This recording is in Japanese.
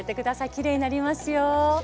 きれいになりますよ。